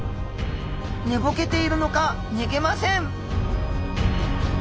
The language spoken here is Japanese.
寝ぼけているのか逃げません。